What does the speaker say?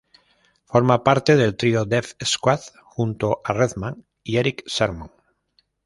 Forma parte del trío Def Squad, junto a Redman y Erick Sermon.